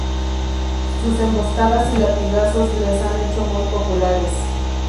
Sus emboscadas y latigazos les han hecho muy populares.